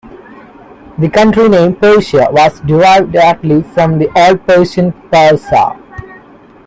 The country name Persia was derived directly from the Old Persian Parsa.